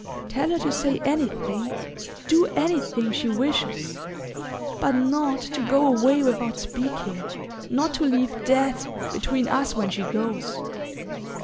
Tell her to say anything, do anything, she wishes; but not to go away without speaking, not to leave THAT between us when she goes!"